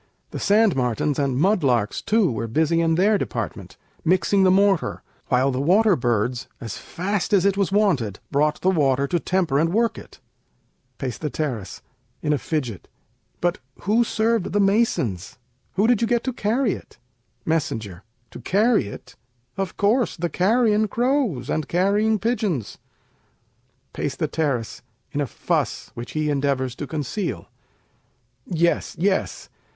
The sand martens And mud larks, too, were busy in their department, Mixing the mortar, while the water birds, As fast as it was wanted, brought the water To temper and work it. Peis. [in a fidget] But who served the masons Who did you get to carry it? Mess. To carry it? Of course, the carrion crows and carrying pigeons. Peis. [in a fuss, which he endeavors to conceal] Yes! yes!